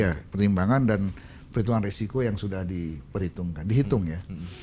ya pertimbangan dan perhitungan resiko yang sudah diperhitungkan dihitung ya